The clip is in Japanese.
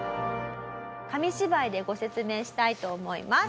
紙芝居でご説明したいと思います。